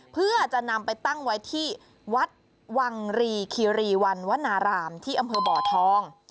เพื่อจะนำไปตั้งไว้ที่วัดวังรีคิรีวันวนารามที่อำเภอบ่อทอง